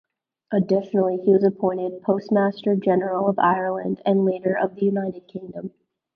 Additionally he was appointed Postmaster General of Ireland, and later, of the United Kingdom.